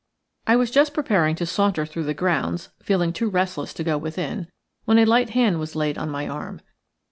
I was just preparing to saunter through the grounds, feeling too restless to go within, when a light hand was laid on my arm.